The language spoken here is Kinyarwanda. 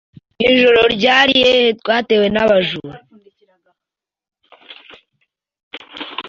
Mwijoro ryariyehe twatewe nabajura?